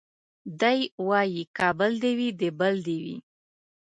دی وايي کابل دي وي د بل دي وي